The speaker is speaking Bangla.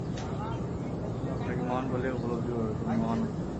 তুমি আপনাকে মহান বলিয়া উপলব্ধি কর, তুমি মহান হইবে।